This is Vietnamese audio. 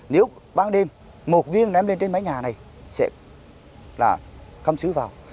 nếu ban đêm một viên ném lên trên mái nhà này sẽ là không xứ vào